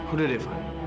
udah deh van